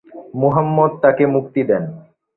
মুহাম্মাদ তাকে মুক্তি দেন।